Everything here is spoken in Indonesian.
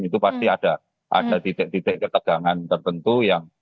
itu pasti ada titik titik ketegangan tertentu yang